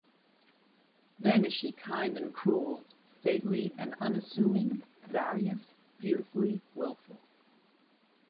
Then is she kind and cruel, stately and unassuming, various, beautifully wilful.